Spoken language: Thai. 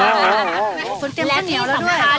แล้วที่สำคัญ